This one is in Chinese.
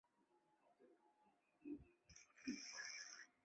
蔗黄杜鹃为杜鹃花科杜鹃属下的一个种。